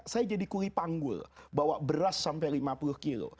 saya jadi kulipanggul bawa beras sampai lima puluh kilo